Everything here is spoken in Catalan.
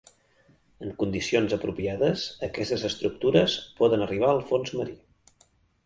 En condicions apropiades, aquestes estructures poden arribar al fons marí.